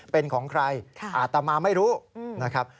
เป็นของใครอาตมาไม่รู้นะครับ